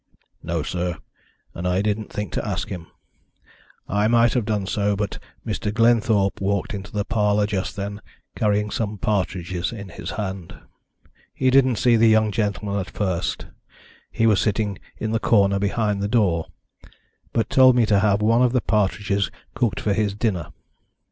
"No, sir, and I didn't think to ask him. I might have done so, but Mr. Glenthorpe walked into the parlour just then, carrying some partridges in his hand. He didn't see the young gentleman at first he was sitting in the corner behind the door but told me to have one of the partridges cooked for his dinner.